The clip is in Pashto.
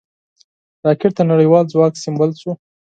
راکټ د نړیوال ځواک سمبول شو